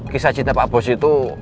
kisah cinta pak bos itu